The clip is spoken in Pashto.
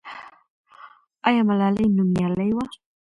آیا ملالۍ نومیالۍ وه؟